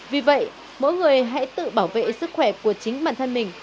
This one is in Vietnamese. vì vậy mỗi người hãy tự bảo vệ sức khỏe của chính bản thân mình